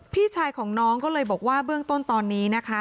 พี่ชายของน้องก็เลยบอกว่าเบื้องต้นตอนนี้นะคะ